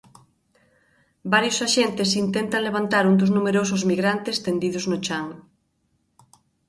Varios axentes intentan levantar un dos numerosos migrantes tendidos no chan.